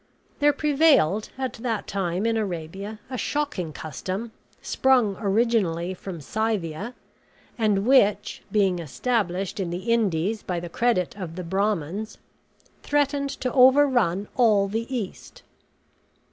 There prevailed at that time in Arabia a shocking custom, sprung originally from Scythia, and which, being established in the Indies by the credit of the Brahmans, threatened to overrun all the East.